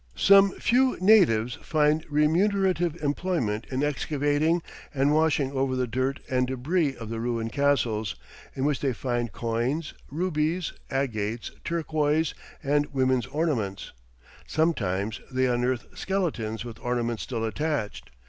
Some few natives find remunerative employment in excavating and washing over the dirt and debris of the ruined castles, in which they find coins, rubies, agates, turquoise, and women's ornaments; sometimes they unearth skeletons with ornaments still attached.